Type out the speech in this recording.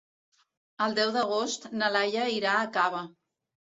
El deu d'agost na Laia irà a Cava.